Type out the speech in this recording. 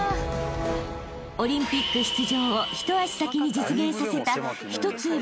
［オリンピック出場を一足先に実現させた１つ上の］